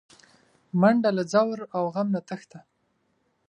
منډه له ځور او غم نه تښته